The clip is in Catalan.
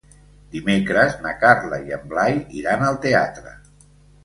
Dimecres na Carla i en Blai iran al teatre.